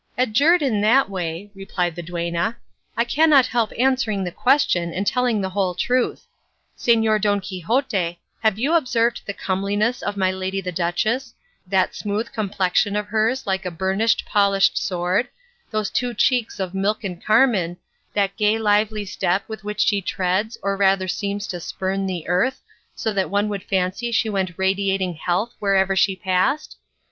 "Adjured in that way," replied the duenna, "I cannot help answering the question and telling the whole truth. Señor Don Quixote, have you observed the comeliness of my lady the duchess, that smooth complexion of hers like a burnished polished sword, those two cheeks of milk and carmine, that gay lively step with which she treads or rather seems to spurn the earth, so that one would fancy she went radiating health wherever she passed?